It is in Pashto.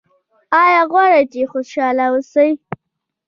ایا غواړئ چې خوشحاله اوسئ؟